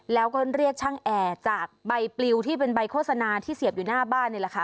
แล้วก็เรียกช่างแอร์จากใบปลิวที่เป็นใบโฆษณาที่เสียบอยู่หน้าบ้านนี่แหละค่ะ